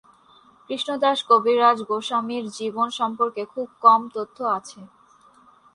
কৃষ্ণদাস কবিরাজ গোস্বামীর জীবন সম্পর্কে খুব কম তথ্য আছে।